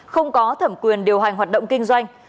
không có thẩm quyền điều hành hoạt động kinh doanh